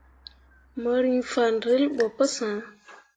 Ŋmorŋ fan relbo pu sãã.